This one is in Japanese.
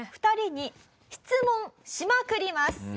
２人に質問しまくります。